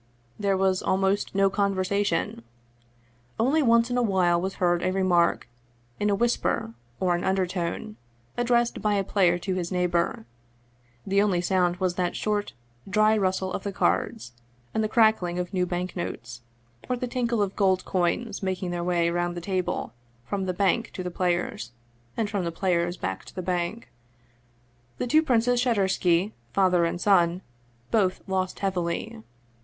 There was almost no conversation ; only once in a while was heard a remark, in a whisper or an undertone, addressed by a player to his neighbor ; the only sound was that short, dry rustle of the cards and the crackling of new bank notes, or the tinkle of gold coins making their way round the table from the bank to the players, and from the players back to the bank. The two Princes Shadursky, father and son, both lost heavily.